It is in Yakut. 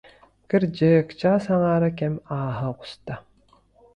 Кырдьык, чаас аҥаара кэм ааһа оҕуста